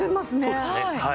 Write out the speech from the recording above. そうですねはい。